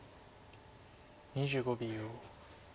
２５秒。